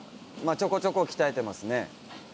ちょこちょこ鍛えてますね。